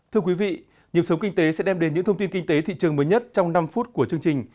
thưa quý vị nhiệm sống kinh tế sẽ đem đến những thông tin kinh tế thị trường mới nhất trong năm phút của chương trình